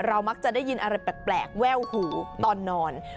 มักจะได้ยินอะไรแปลกแว่วหูตอนนอน